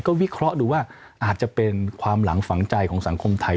วิเคราะห์ดูว่าอาจจะเป็นความหลังฝังใจของสังคมไทย